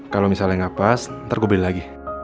kalau misalnya gak pas nanti gue beli lagi